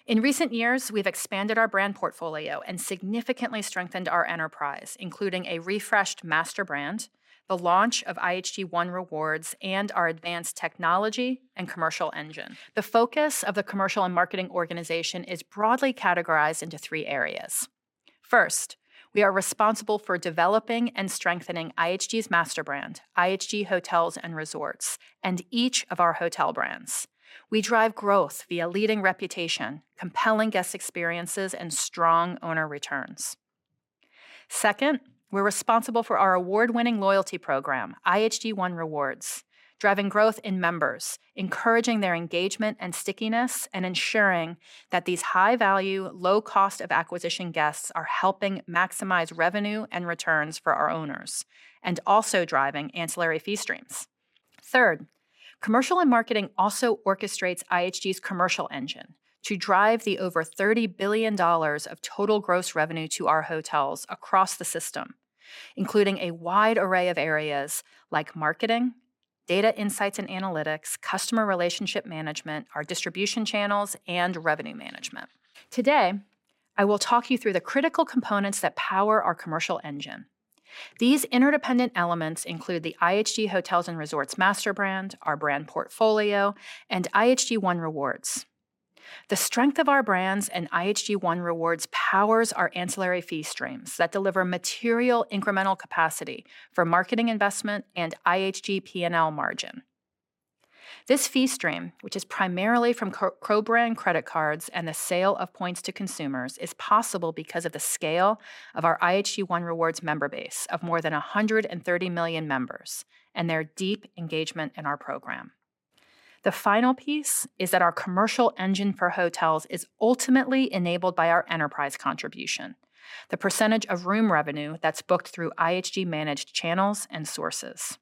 In recent years, we've expanded our brand portfolio and significantly strengthened our enterprise, including a refreshed master brand, the launch of IHG One Rewards, and our advanced technology and commercial engine. The focus of the commercial and marketing organization is broadly categorized into three areas. First, we are responsible for developing and strengthening IHG's master brand, IHG Hotels & Resorts, and each of our hotel brands. We drive growth via leading reputation, compelling guest experiences, and strong owner returns. Second, we're responsible for our award-winning loyalty program, IHG One Rewards, driving growth in members, encouraging their engagement and stickiness, and ensuring that these high-value, low cost of acquisition guests are helping maximize revenue and returns for our owners, and also driving ancillary fee streams. Third, commercial and marketing also orchestrates IHG's commercial engine to drive the over $30 billion of total gross revenue to our hotels across the system, including a wide array of areas like marketing, data insights and analytics, customer relationship management, our distribution channels, and revenue management. Today, I will talk you through the critical components that power our commercial engine. These interdependent elements include the IHG Hotels & Resorts master brand, our brand portfolio, and IHG One Rewards. The strength of our brands and IHG One Rewards powers our ancillary fee streams that deliver material incremental capacity for marketing investment and IHG P&L margin. This fee stream, which is primarily from co-brand credit cards and the sale of points to consumers, is possible because of the scale of our IHG One Rewards member base of more than 130 million members and their deep engagement in our program. The final piece is that our commercial engine for hotels is ultimately enabled by our enterprise contribution, the percentage of room revenue that's booked through IHG-managed channels and sources.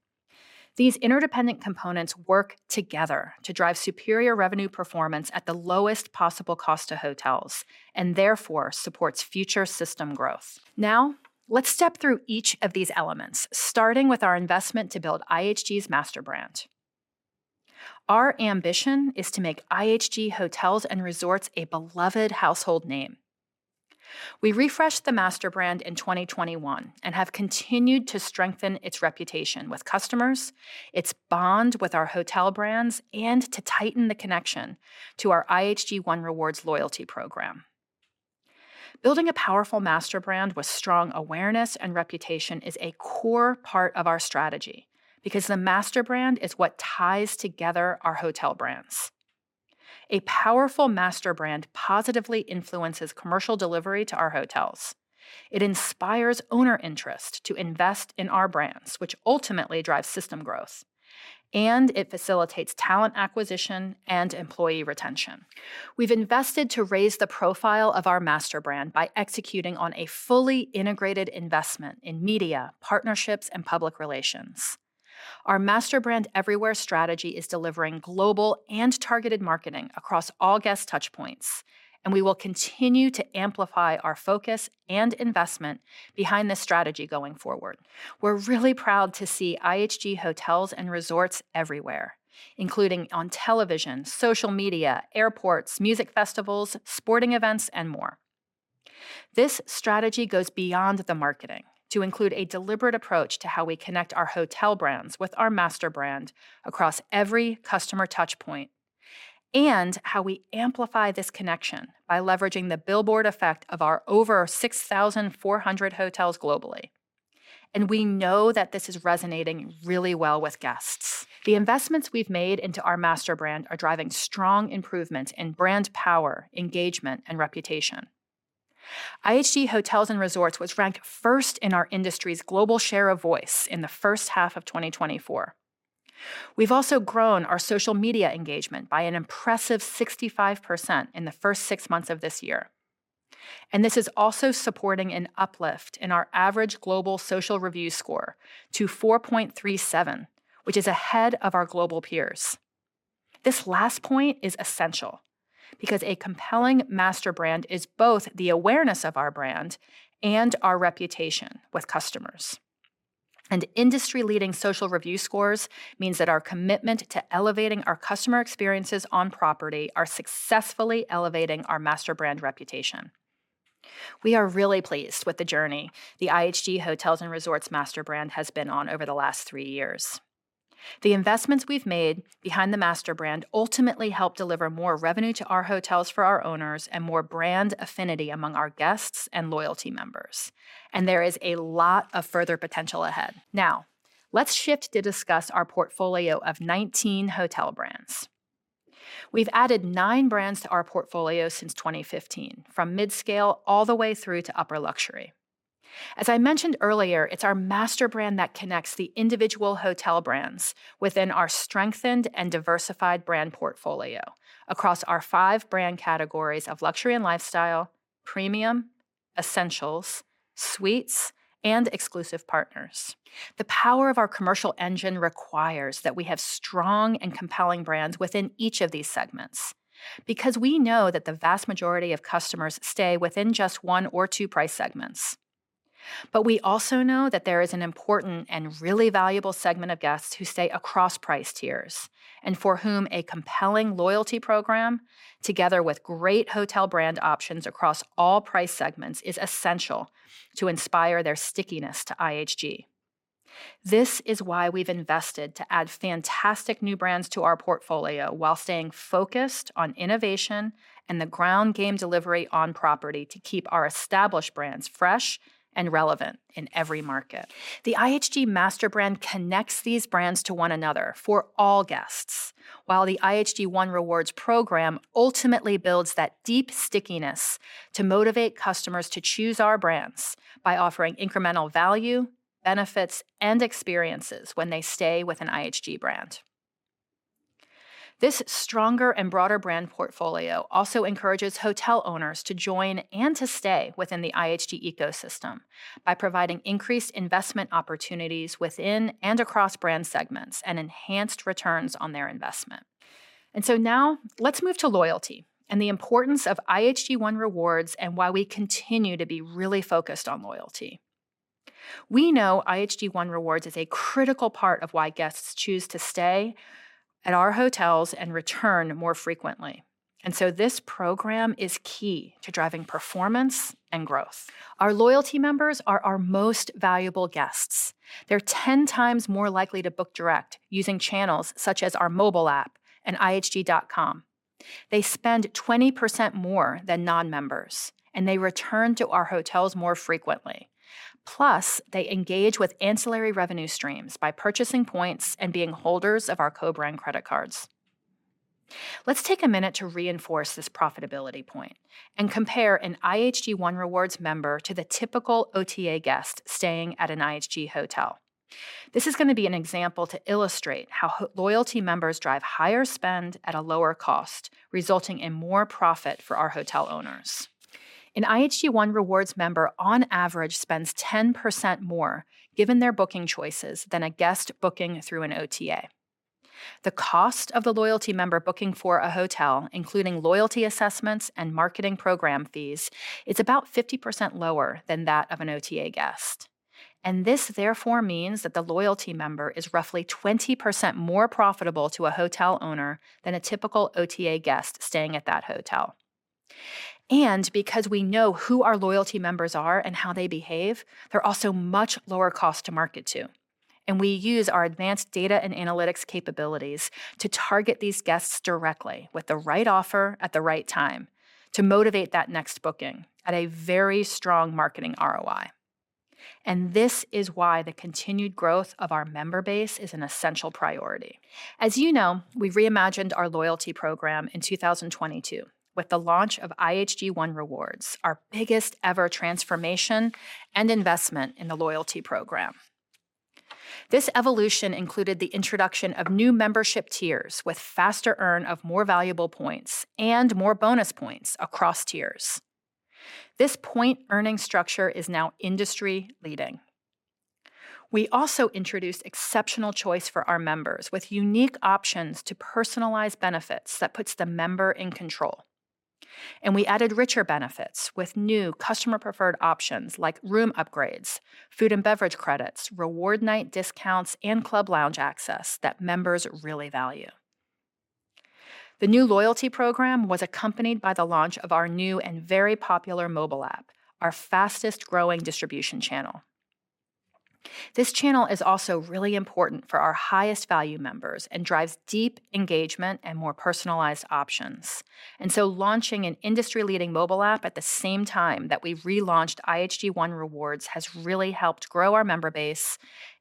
These interdependent components work together to drive superior revenue performance at the lowest possible cost to hotels, and therefore, supports future system growth. Now, let's step through each of these elements, starting with our investment to build IHG's master brand. Our ambition is to make IHG Hotels & Resorts a beloved household name. We refreshed the master brand in 2021 and have continued to strengthen its reputation with customers, its bond with our hotel brands, and to tighten the connection to our IHG One Rewards loyalty program. Building a powerful master brand with strong awareness and reputation is a core part of our strategy because the master brand is what ties together our hotel brands. A powerful master brand positively influences commercial delivery to our hotels. It inspires owner interest to invest in our brands, which ultimately drives system growth, and it facilitates talent acquisition and employee retention. We've invested to raise the profile of our master brand by executing on a fully integrated investment in media, partnerships, and public relations. Our Master Brand Everywhere strategy is delivering global and targeted marketing across all guest touchpoints, and we will continue to amplify our focus and investment behind this strategy going forward. We're really proud to see IHG Hotels & Resorts everywhere, including on television, social media, airports, music festivals, sporting events, and more. This strategy goes beyond the marketing to include a deliberate approach to how we connect our hotel brands with our master brand across every customer touchpoint and how we amplify this connection by leveraging the billboard effect of our over 6,400 hotels globally. We know that this is resonating really well with guests. The investments we've made into our master brand are driving strong improvement in brand power, engagement, and reputation. IHG Hotels & Resorts was ranked first in our industry's global share of voice in the first half of 2024. We've also grown our social media engagement by an impressive 65% in the first six months of this year. This is also supporting an uplift in our average global social review score to 4.37, which is ahead of our global peers. This last point is essential because a compelling master brand is both the awareness of our brand and our reputation with customers. Industry-leading social review scores means that our commitment to elevating our customer experiences on property are successfully elevating our master brand reputation. We are really pleased with the journey the IHG Hotels & Resorts master brand has been on over the last 3 years. The investments we've made behind the master brand ultimately help deliver more revenue to our hotels for our owners and more brand affinity among our guests and loyalty members, and there is a lot of further potential ahead. Now, let's shift to discuss our portfolio of 19 hotel brands. We've added 9 brands to our portfolio since 2015, from midscale all the way through to upper luxury. As I mentioned earlier, it's our master brand that connects the individual hotel brands within our strengthened and diversified brand portfolio across our 5 brand categories of Luxury and Lifestyle, Premium, Essentials, Suites, and Exclusive Partners. The power of our commercial engine requires that we have strong and compelling brands within each of these segments because we know that the vast majority of customers stay within just one or two price segments. But we also know that there is an important and really valuable segment of guests who stay across price tiers, and for whom a compelling loyalty program, together with great hotel brand options across all price segments, is essential to inspire their stickiness to IHG. This is why we've invested to add fantastic new brands to our portfolio while staying focused on innovation and the ground game delivery on property to keep our established brands fresh and relevant in every market. The IHG master brand connects these brands to one another for all guests, while the IHG One Rewards program ultimately builds that deep stickiness to motivate customers to choose our brands by offering incremental value, benefits, and experiences when they stay with an IHG brand. This stronger and broader brand portfolio also encourages hotel owners to join and to stay within the IHG ecosystem by providing increased investment opportunities within and across brand segments and enhanced returns on their investment. And so now let's move to loyalty and the importance of IHG One Rewards and why we continue to be really focused on loyalty. We know IHG One Rewards is a critical part of why guests choose to stay at our hotels and return more frequently, and so this program is key to driving performance and growth. Our loyalty members are our most valuable guests. They're 10 times more likely to book direct using channels such as our mobile app and IHG.com. They spend 20% more than non-members, and they return to our hotels more frequently. Plus, they engage with ancillary revenue streams by purchasing points and being holders of our co-brand credit cards. Let's take a minute to reinforce this profitability point and compare an IHG One Rewards member to the typical OTA guest staying at an IHG hotel. This is going to be an example to illustrate how loyalty members drive higher spend at a lower cost, resulting in more profit for our hotel owners. An IHG One Rewards member, on average, spends 10% more, given their booking choices, than a guest booking through an OTA. The cost of the loyalty member booking for a hotel, including loyalty assessments and marketing program fees, is about 50% lower than that of an OTA guest. This therefore means that the loyalty member is roughly 20% more profitable to a hotel owner than a typical OTA guest staying at that hotel. Because we know who our loyalty members are and how they behave, they're also much lower cost to market to, and we use our advanced data and analytics capabilities to target these guests directly with the right offer at the right time to motivate that next booking at a very strong marketing ROI. This is why the continued growth of our member base is an essential priority. As you know, we reimagined our loyalty program in 2022 with the launch of IHG One Rewards, our biggest-ever transformation and investment in the loyalty program. This evolution included the introduction of new membership tiers with faster earn of more valuable points and more bonus points across tiers. This point-earning structure is now industry-leading. We also introduced exceptional choice for our members, with unique options to personalize benefits that puts the member in control. And we added richer benefits with new customer-preferred options like room upgrades, food and beverage credits, reward night discounts, and club lounge access that members really value. The new loyalty program was accompanied by the launch of our new and very popular mobile app, our fastest-growing distribution channel. This channel is also really important for our highest value members and drives deep engagement and more personalized options. Launching an industry-leading mobile app at the same time that we've relaunched IHG One Rewards has really helped grow our member base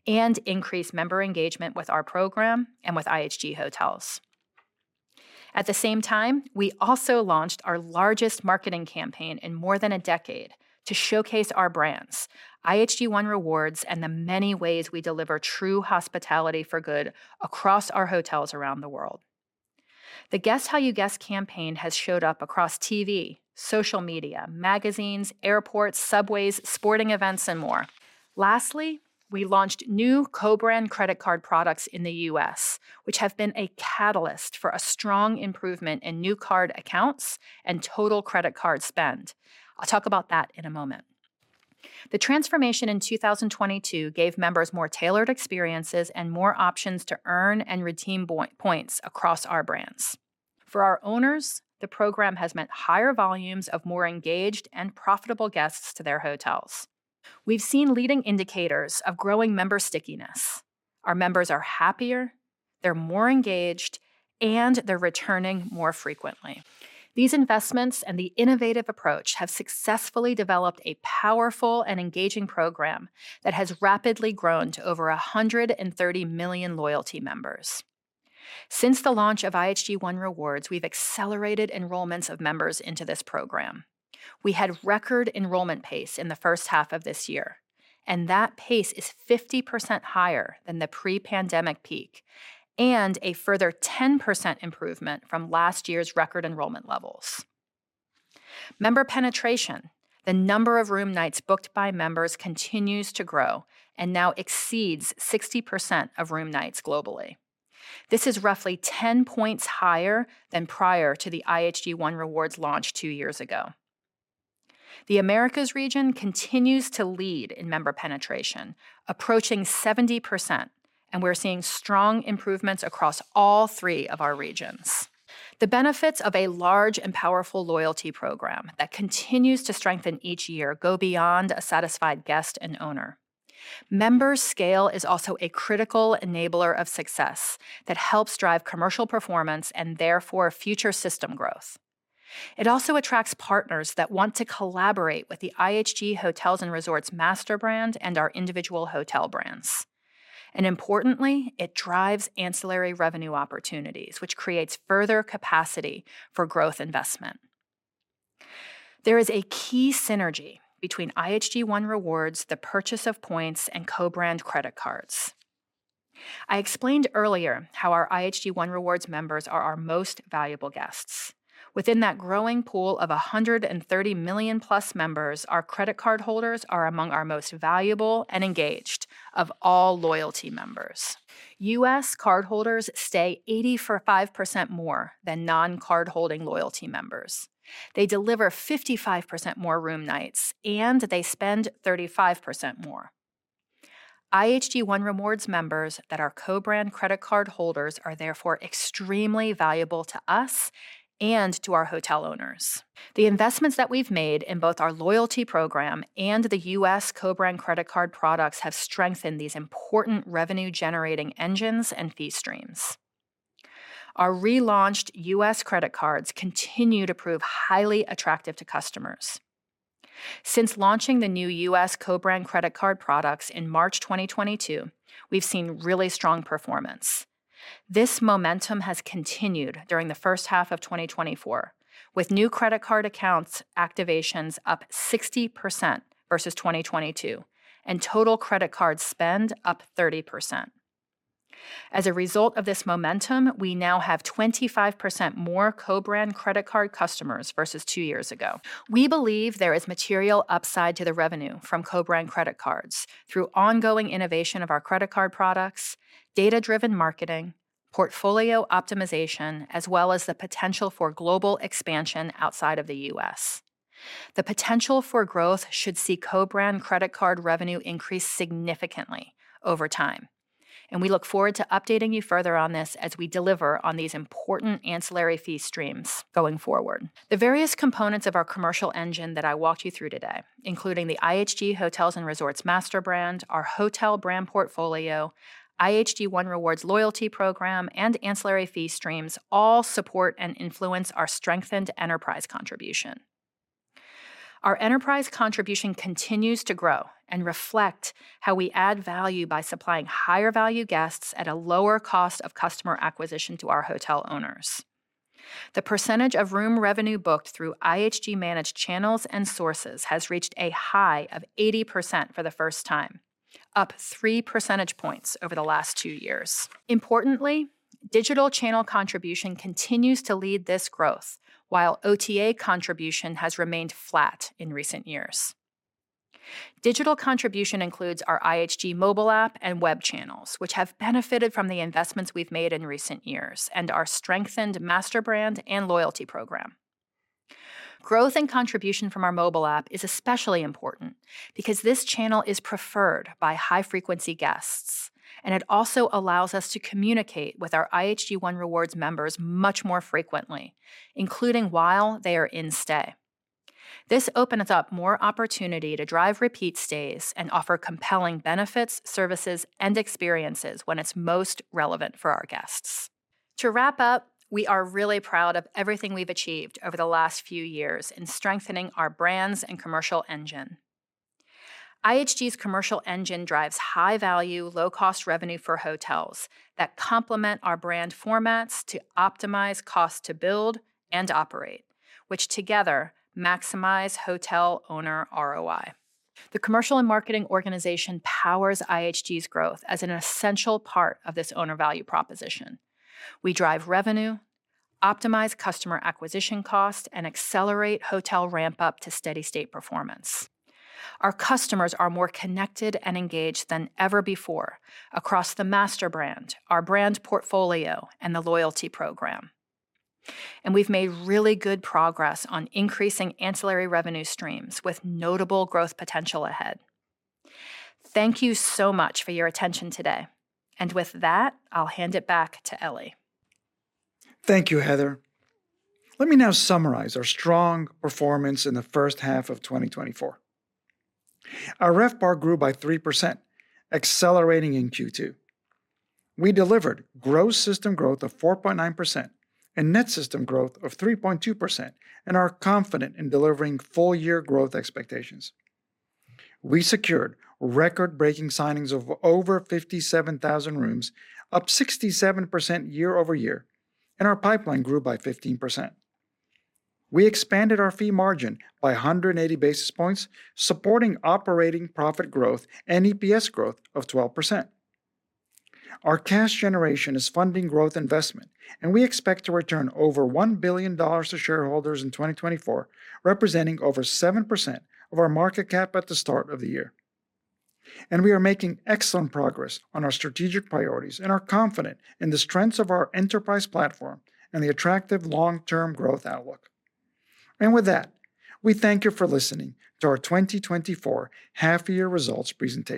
and increase member engagement with our program and with IHG Hotels. At the same time, we also launched our largest marketing campaign in more than a decade to showcase our brands, IHG One Rewards, and the many ways we deliver true hospitality for good across our hotels around the world. The Guest How You Guest campaign has showed up across TV, social media, magazines, airports, subways, sporting events, and more. Lastly, we launched new co-brand credit card products in the U.S., which have been a catalyst for a strong improvement in new card accounts and total credit card spend. I'll talk about that in a moment. The transformation in 2022 gave members more tailored experiences and more options to earn and redeem points across our brands. For our owners, the program has meant higher volumes of more engaged and profitable guests to their hotels. We've seen leading indicators of growing member stickiness. Our members are happier, they're more engaged, and they're returning more frequently. These investments and the innovative approach have successfully developed a powerful and engaging program that has rapidly grown to over 130 million loyalty members. Since the launch of IHG One Rewards, we've accelerated enrollments of members into this program. We had record enrollment pace in the first half of this year, and that pace is 50% higher than the pre-pandemic peak and a further 10% improvement from last year's record enrollment levels. Member penetration, the number of room nights booked by members, continues to grow and now exceeds 60% of room nights globally. This is roughly 10 points higher than prior to the IHG One Rewards launch 2 years ago. The Americas region continues to lead in member penetration, approaching 70%, and we're seeing strong improvements across all three of our regions. The benefits of a large and powerful loyalty program that continues to strengthen each year go beyond a satisfied guest and owner. Member scale is also a critical enabler of success that helps drive commercial performance and therefore future system growth. It also attracts partners that want to collaborate with the IHG Hotels & Resorts master brand and our individual hotel brands. Importantly, it drives ancillary revenue opportunities, which creates further capacity for growth investment. There is a key synergy between IHG One Rewards, the purchase of points, and co-brand credit cards. I explained earlier how our IHG One Rewards members are our most valuable guests. Within that growing pool of 130 million-plus members, our credit card holders are among our most valuable and engaged of all loyalty members. US cardholders stay 85% more than non-card-holding loyalty members. They deliver 55% more room nights, and they spend 35% more. IHG One Rewards members that are co-brand credit card holders are therefore extremely valuable to us and to our hotel owners. The investments that we've made in both our loyalty program and the US co-brand credit card products have strengthened these important revenue-generating engines and fee streams. Our relaunched US credit cards continue to prove highly attractive to customers. Since launching the new U.S. co-brand credit card products in March 2022, we've seen really strong performance. This momentum has continued during the first half of 2024, with new credit card accounts activations up 60% versus 2022, and total credit card spend up 30%. As a result of this momentum, we now have 25% more co-brand credit card customers versus two years ago. We believe there is material upside to the revenue from co-brand credit cards through ongoing innovation of our credit card products, data-driven marketing, portfolio optimization, as well as the potential for global expansion outside of the U.S. The potential for growth should see co-brand credit card revenue increase significantly over time, and we look forward to updating you further on this as we deliver on these important ancillary fee streams going forward. The various components of our commercial engine that I walked you through today, including the IHG Hotels & Resorts master brand, our hotel brand portfolio, IHG One Rewards loyalty program, and ancillary fee streams, all support and influence our strengthened enterprise contribution. Our enterprise contribution continues to grow and reflect how we add value by supplying higher-value guests at a lower cost of customer acquisition to our hotel owners. The percentage of room revenue booked through IHG-managed channels and sources has reached a high of 80% for the first time, up 3 percentage points over the last 2 years. Importantly, digital channel contribution continues to lead this growth, while OTA contribution has remained flat in recent years. Digital contribution includes our IHG mobile app and web channels, which have benefited from the investments we've made in recent years and our strengthened master brand and loyalty program. Growth and contribution from our mobile app is especially important because this channel is preferred by high-frequency guests, and it also allows us to communicate with our IHG One Rewards members much more frequently, including while they are in stay. This opens up more opportunity to drive repeat stays and offer compelling benefits, services, and experiences when it's most relevant for our guests. To wrap up, we are really proud of everything we've achieved over the last few years in strengthening our brands and commercial engine. IHG's commercial engine drives high-value, low-cost revenue for hotels that complement our brand formats to optimize cost to build and operate, which together maximize hotel owner ROI. The commercial and marketing organization powers IHG's growth as an essential part of this owner value proposition. We drive revenue, optimize customer acquisition costs, and accelerate hotel ramp-up to steady state performance. Our customers are more connected and engaged than ever before across the master brand, our brand portfolio, and the loyalty program. We've made really good progress on increasing ancillary revenue streams, with notable growth potential ahead. Thank you so much for your attention today. With that, I'll hand it back to Elie. Thank you, Heather. Let me now summarize our strong performance in the first half of 2024. Our RevPAR grew by 3%, accelerating in Q2. We delivered gross system growth of 4.9% and net system growth of 3.2% and are confident in delivering full-year growth expectations. We secured record-breaking signings of over 57,000 rooms, up 67% year-over-year, and our pipeline grew by 15%. We expanded our fee margin by 180 basis points, supporting operating profit growth and EPS growth of 12%. Our cash generation is funding growth investment, and we expect to return over $1 billion to shareholders in 2024, representing over 7% of our market cap at the start of the year. We are making excellent progress on our strategic priorities and are confident in the strengths of our enterprise platform and the attractive long-term growth outlook. With that, we thank you for listening to our 2024 half-year results presentation.